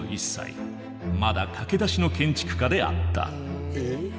まだ駆け出しの建築家であった。